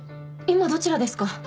今どちらですか？